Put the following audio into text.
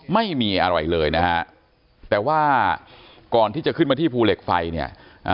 ไม่มีอะไรเลยนะฮะแต่ว่าก่อนที่จะขึ้นมาที่ภูเหล็กไฟเนี่ย